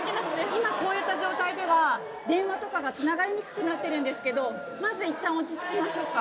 今、こういった状態では、電話とかがつながりにくくなっているんですけど、まずいったん落。